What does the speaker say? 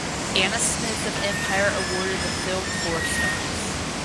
Anna Smith of "Empire" awarded the film four stars.